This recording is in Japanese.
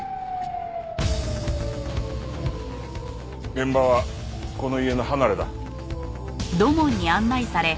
現場はこの家の離れだ。